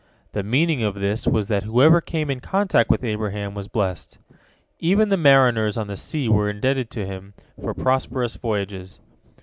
The meaning of this was that whoever came in contact with Abraham was blessed. Even the mariners on the sea were indebted to him for prosperous voyages.